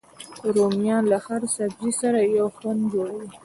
رومیان له هر سبزي سره یو خوند جوړوي